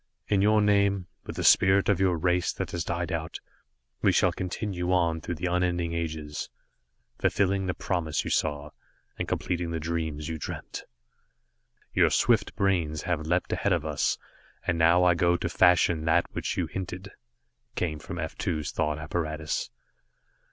"In your name, with the spirit of your race that has died out, we shall continue on through the unending ages, fulfilling the promise you saw, and completing the dreams you dreamt. "Your swift brains have leapt ahead of us, and now I go to fashion that which you hinted," came from F 2's thought apparatus.